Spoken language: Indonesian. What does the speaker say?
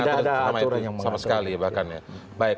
tidak ada aturan yang mengatur